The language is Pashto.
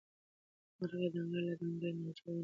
مرغۍ د انګړ له دنګې ناجو ونې څخه والوتې.